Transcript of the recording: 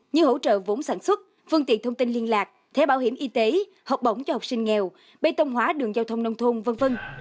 như hỗ trợ vốn sản xuất phương tiện thông tin liên lạc thẻ bảo hiểm y tế học bổng cho học sinh nghèo bê tông hóa đường giao thông nông thôn v v